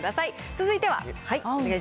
続いては。